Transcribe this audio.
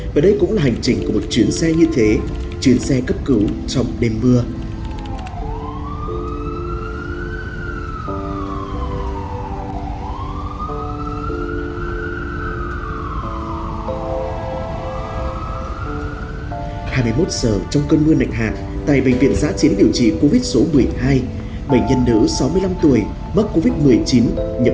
và đây cũng là hành trình của một chuyến xe như thế chuyến xe cấp cứu trong đêm mưa